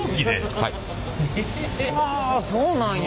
はそうなんや。